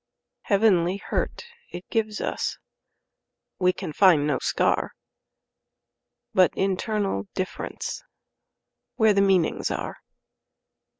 Heavenly hurt it gives us; We can find no scar, But internal differenceWhere the meanings are.